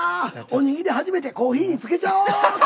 お握り初めてコーヒーにつけちゃおっと。